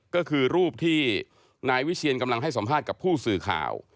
ก็คือรูปที่นายวิเชียนกำลังให้สัมภาษณ์กับผู้สื่อข่าว